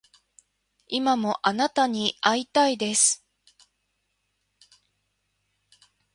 今もあなたに逢いたいです